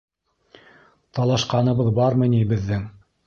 Талашҡаныбыҙ бармы ни беҙҙең?